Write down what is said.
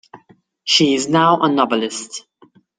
She is now a novelist.